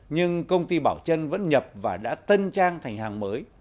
nhưng công ty bảo trân vẫn nhập và đã tân trang thành hàng mới